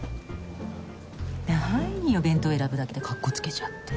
何よ弁当選ぶだけでかっこつけちゃって。